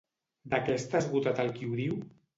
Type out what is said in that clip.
De què està esgotat el qui ho diu?